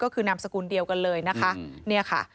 ก็คือนามสกุลเดียวกันเลย